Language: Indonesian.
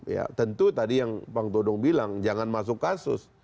ya tentu tadi yang bang dodong bilang jangan masuk kasus